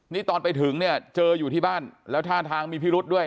นี่ตอนไปถึงเนี่ยเจออยู่ที่บ้านแล้วท่าทางมีพิรุษด้วย